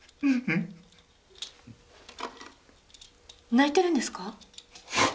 泣いてるんですか？